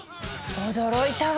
驚いたわ！